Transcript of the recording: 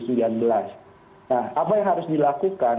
nah apa yang harus dilakukan